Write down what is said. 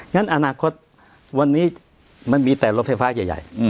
งั้นอนาคตวันนี้มันมีแต่รถไฟฟ้าใหญ่